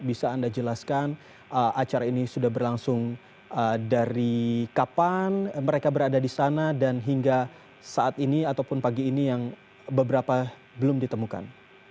bisa anda jelaskan acara ini sudah berlangsung dari kapan mereka berada di sana dan hingga saat ini ataupun pagi ini yang beberapa belum ditemukan